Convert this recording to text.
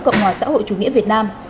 cộng hòa xã hội chủ nghĩa việt nam